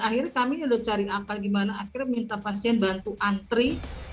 akhirnya kami sudah cari akal gimana akhirnya minta pasien bantu antri